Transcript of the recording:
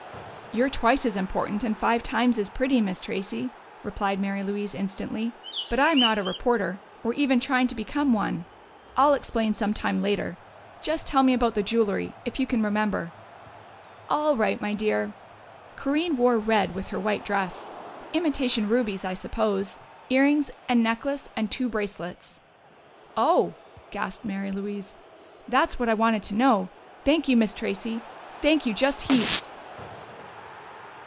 "You're twice as important and five times as pretty, Miss Tracey!" replied Mary Louise instantly. "But I'm not a reporter or even trying to become one.... I'll explain some time later.... Just tell me about the jewelry, if you can remember." "All right, my dear. Corinne wore red with her white dress. Imitation rubies, I suppose. Earrings and necklace and two bracelets." "Oh!" gasped Mary Louise. "That's what I want to know. Thank you, Miss Tracey, thank you just heaps!"